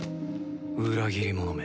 裏切り者め。